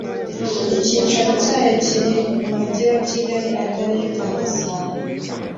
Icyicaro cyayo kiri mu mujyi wa kigali akarere kagasabo